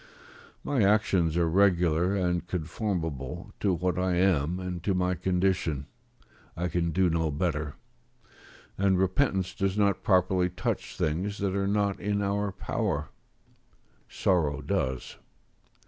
My actions are regular, and conformable to what I am and to my condition; I can do no better; and repentance does not properly touch things that are not in our power; sorrow does..